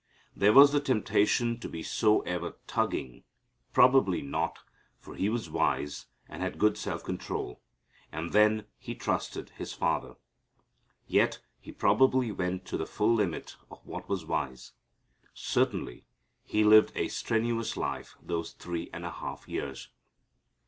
There was the temptation to be so ever tugging. Probably not, for He was wise, and had good self control, and then He trusted His Father. Yet He probably went to the full limit of what was wise. Certainly He lived a strenuous life those three and a half years.